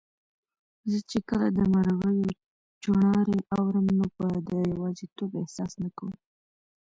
زه چي کله د مرغیو چوڼاری اورم، نو به د یوازیتوب احساس نه کوم